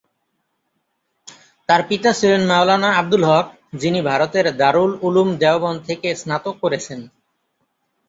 তার পিতা ছিলেন মাওলানা আব্দুল হক, যিনি ভারতের দারুল উলুম দেওবন্দ থেকে স্নাতক করেছেন।